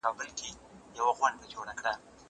زه به سبا سبزیحات وچوم!؟